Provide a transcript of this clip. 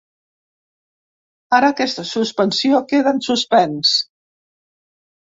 Ara aquesta suspensió queda en suspens.